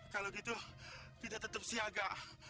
kalau gitu kita tetap siaga